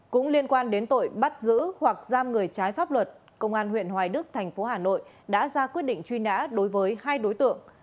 cũng liên quan đến tội bắt giữ hoặc giam người trái pháp luật công an huyện hoài đức thành phố hà nội đã ra quyết định truy nã đối với hai đối tượng